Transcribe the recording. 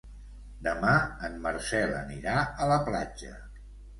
Demà en Marcel anirà a la platja.